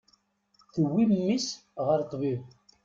Tewwi mmi-s ɣer ṭṭbib.